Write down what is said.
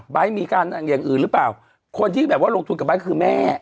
มีการอย่างอื่นหรือเปล่าคนที่แบบว่าลงทุนกับไบท์คือแม่